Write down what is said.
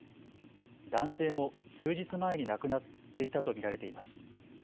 男性も数日前に亡くなっていたと見られています。